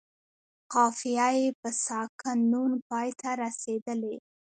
قافیه یې په ساکن نون پای ته رسیدلې.